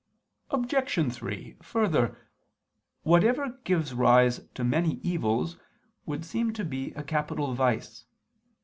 Obj. 3: Further, whatever gives rise to many evils, would seem to be a capital vice.